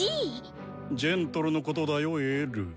「ジェントル」のことだよＬ。